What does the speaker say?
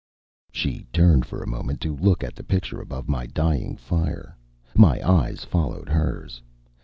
She turned for a moment to look at the picture above my dying fire. My eyes followed hers.